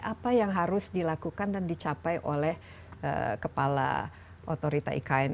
apa yang harus dilakukan dan dicapai oleh kepala otorita ikn